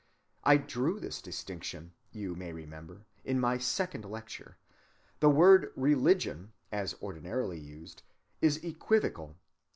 I drew this distinction, you may remember, in my second lecture. The word "religion," as ordinarily used, is equivocal.